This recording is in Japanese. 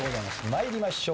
参りましょう。